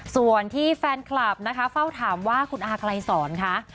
ส่วนที่แฟนคลับนะคะเฝ้าถามว่าคุณอาใครสอนคะ